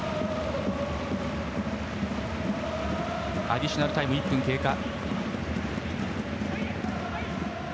アディショナルタイム、１分経過。